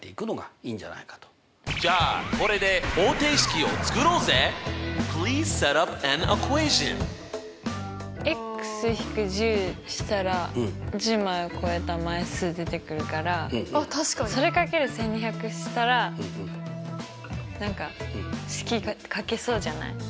じゃあこれで−１０したら１０枚を超えた枚数出てくるからそれ掛ける１２００したら何か式書けそうじゃない？